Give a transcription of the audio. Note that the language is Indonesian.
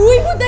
udah udah udah